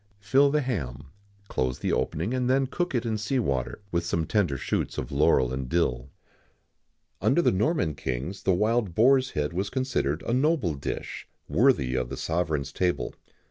Fill the ham, close the opening, and then cook it in sea water, with some tender shoots of laurel and dill.[XIX 85] Under the Norman kings the wild boar's head was considered a noble dish, worthy of the sovereign's table.